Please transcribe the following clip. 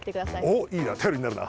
おっいいなたよりになるな。